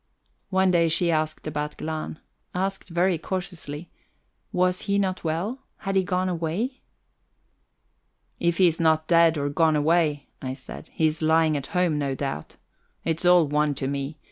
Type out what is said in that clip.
One day she asked about Glahn asked very cautiously. Was he not well? Had he gone away? "If he's not dead, or gone away," I said, "he's lying at home, no doubt. It's all one to me.